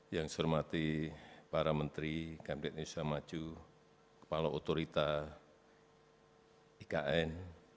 yang saya hormati para menteri kabinet indonesia maju kepala otorita ikn